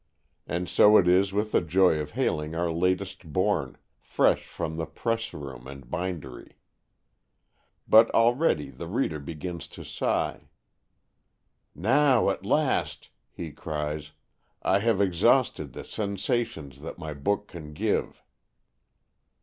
And so is it with the joy of hailing our latest born, fresh from the press room and bindery! But already the reader begins to sigh. "Now, at last," he cries, "I have exhausted the sensations that my book can give!"